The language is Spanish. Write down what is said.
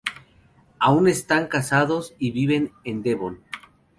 Aún están casados, y viven en Devon.